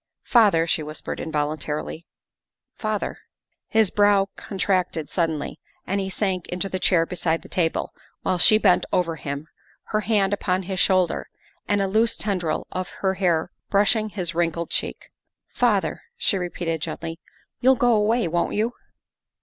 " Father," she whispered involuntarily, " father." His brow contracted suddenly and he sank into the chair beside the table, while she bent over him, her hand upon his shoulder and a loose tendril of her hair brush ing his wrinkled cheek. " Father," she repeated gently, " you'll go away, won 't you